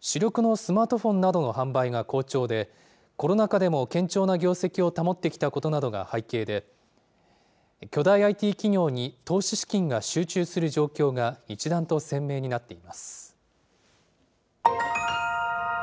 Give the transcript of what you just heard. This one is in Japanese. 主力のスマートフォンなどの販売が好調で、コロナ禍でも堅調な業績を保ってきたことなどが背景で、巨大ＩＴ企業に投資資金が集中する状況が一段と鮮明になっています。